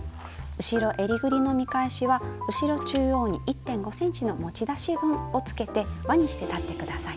後ろえりぐりの見返しは後ろ中央に１．５ｃｍの持ち出し分をつけてわにして裁って下さい。